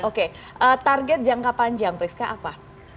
oke target jangka panjang priska apa